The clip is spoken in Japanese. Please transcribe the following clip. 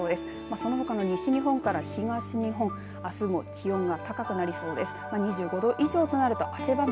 そのほかの西日本から東日本あすも気温が高くなりそうです。